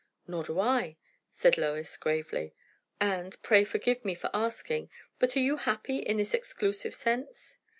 "Nor do I," said Lois gravely. "And pray forgive me for asking! but, are you happy in this exclusive sense?"